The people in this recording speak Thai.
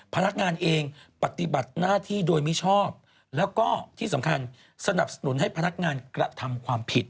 พนักงานเองปฏิบัติหน้าที่โดยมิชอบแล้วก็ที่สำคัญสนับสนุนให้พนักงานกระทำความผิด